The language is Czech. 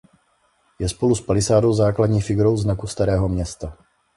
Je spolu s palisádou základní figurou znaku Starého Města.